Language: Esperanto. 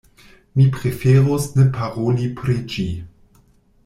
Mi preferus ne paroli pri ĝi.